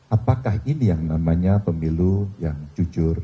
apakah ini yang namanya pemilu yang jujur